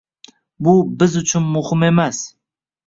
bu biz uchun muhim emas!